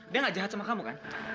dia gak jahat sama kamu kan